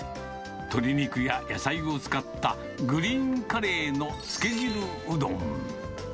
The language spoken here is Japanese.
鶏肉や野菜を使った、グリーンカレーのつけ汁うどん。